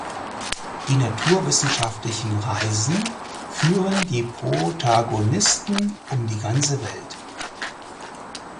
Die naturwissenschaftlichen Reisen führen die Protagonisten um die ganze Welt.